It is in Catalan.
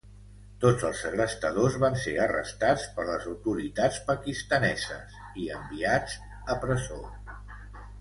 Tots els segrestadors van ser arrestats per les autoritats pakistaneses i enviats a presó.